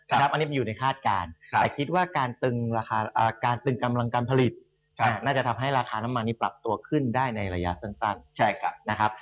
อันนี้มันอยู่ในคาดการณ์แต่คิดว่าการตึงราคาการตึงกำลังการผลิตน่าจะทำให้ราคาน้ำมันนี้ปรับตัวขึ้นได้ในระยะสั้นนะครับ